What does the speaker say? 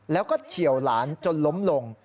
แล้วก็เฉียวหลานจนล้มลง